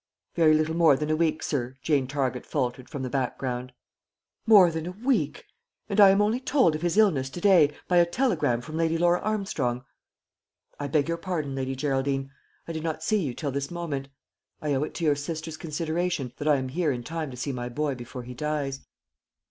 "Very little more than a week, sir," Jane Target faltered from the background. "More than a week! and I am only told of his illness to day, by a telegram from Lady Laura Armstrong! I beg your pardon, Lady Geraldine; I did not see you till this moment. I owe it to your sister's consideration that I am here in time to see my boy before he dies."